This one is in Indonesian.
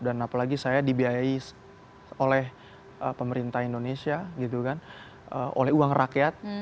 dan apalagi saya dibiayai oleh pemerintah indonesia gitu kan oleh uang rakyat